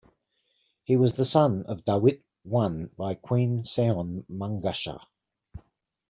He was the son of Dawit I by Queen Seyon Mangasha.